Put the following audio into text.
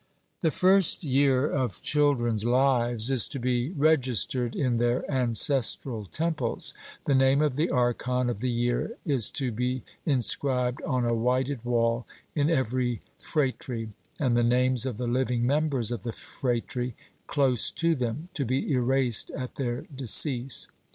The first year of children's lives is to be registered in their ancestral temples; the name of the archon of the year is to be inscribed on a whited wall in every phratry, and the names of the living members of the phratry close to them, to be erased at their decease.